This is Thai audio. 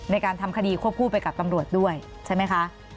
ในการทำคดีควบคู่ไปกับตำรวจด้วยใช่ไหมคะ